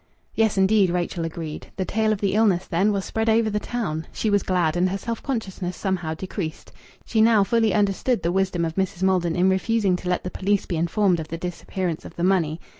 "Yes, indeed," Rachel agreed. The tale of the illness, then, was spread over the town! She was glad, and her self consciousness somehow decreased. She now fully understood the wisdom of Mrs. Maldon in refusing to let the police be informed of the disappearance of the money.